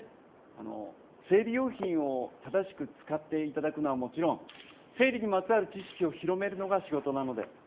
あの生理用品を正しく使っていただくのはもちろん生理にまつわる知識を広めるのが仕事なので。